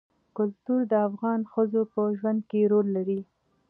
کلتور د افغان ښځو په ژوند کې رول لري.